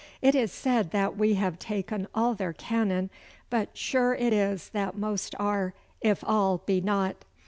It is said that we have taken all their cannon, but sure it is that most are, if all be not.